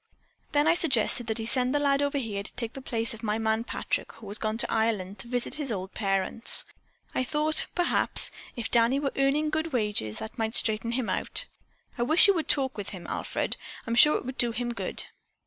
Then I suggested that he send the lad over here to take the place of my man Patrick, who has gone to Ireland to visit his old parents. I thought, perhaps, if Danny were earning good wages, that might straighten him out. I wish you would talk with him, Alfred. I'm sure it would do him good."